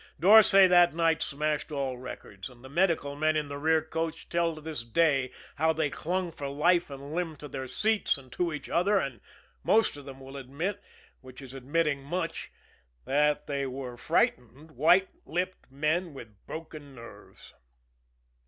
Dorsay that night smashed all records, and the medical men in the rear coach tell to this day how they clung for life and limb to their seats and to each other, and most of them will admit which is admitting much that they were frightened, white lipped men with broken nerves.